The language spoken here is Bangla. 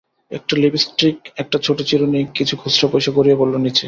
একটা লিপস্টিক, একটা ছোট চিরুনি, কিছু খুচরো পয়সা গড়িয়ে পড়ল নিচে।